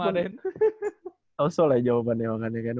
jawabannya juga lah jawaban emangannya kan bu